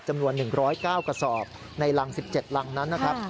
จำนวน๑๐๙กระสอบในรัง๑๗รังนั้นนะครับ